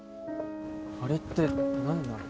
あれって何なの？